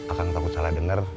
akang takut salah denger